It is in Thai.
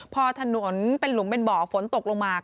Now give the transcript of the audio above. พอถนนเป็นหลุมเป็นบ่อฝนตกลงมา